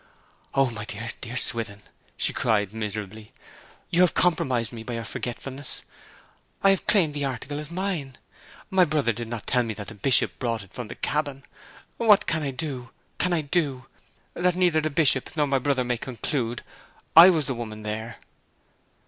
'Oh, my dear, dear Swithin!' she cried miserably. 'You have compromised me by your forgetfulness. I have claimed the article as mine. My brother did not tell me that the Bishop brought it from the cabin. What can I, can I do, that neither the Bishop nor my brother may conclude I was the woman there?'